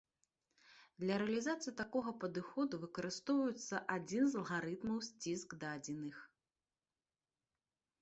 Для рэалізацыі такога падыходу выкарыстоўваецца адзін з алгарытмаў сціск дадзеных.